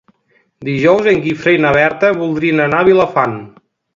Dijous en Guifré i na Berta voldrien anar a Vilafant.